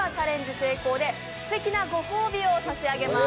成功ですてきなご褒美を差し上げます。